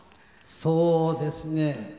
そうですね